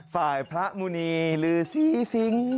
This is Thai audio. ฝ่ายพระมุณีลือศรีสิง